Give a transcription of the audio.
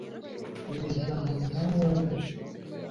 biza mu myanya y’imbere